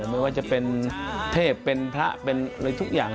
ไม่ว่าจะเป็นเทพเป็นพระเป็นอะไรทุกอย่าง